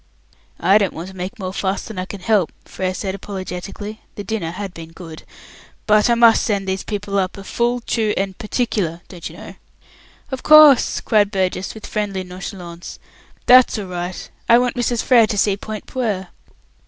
"I don't want to make more fuss than I can help," Frere said apologetically the dinner had been good "but I must send these people up a 'full, true and particular', don't you know." "Of course," cried Burgess, with friendly nonchalance. "That's all right. I want Mrs. Frere to see Point Puer."